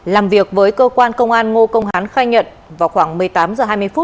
làm việc với cơ quan công an ngô công hán khai nhận vào khoảng một mươi tám h hai mươi phút